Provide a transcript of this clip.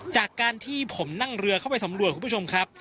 จากการที่ผมนั่งเรือเข้าไปสำรวจคุณผู้ชมครับ